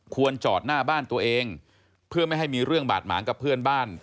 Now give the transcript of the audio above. จอดหน้าบ้านตัวเองเพื่อไม่ให้มีเรื่องบาดหมางกับเพื่อนบ้าน